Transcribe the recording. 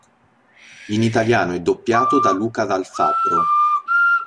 In italiano è doppiato da Luca Dal Fabbro.